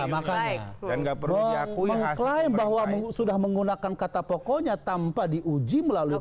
makanya mengklaim bahwa sudah menggunakan kata pokoknya tanpa diuji melalui